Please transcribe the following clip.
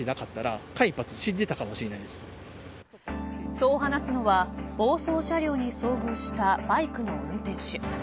そう話すのは暴走車両に遭遇したバイクの運転手。